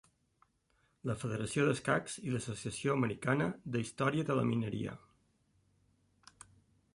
La Federació d'Escacs i l'Associació Americana d'Història de la Mineria.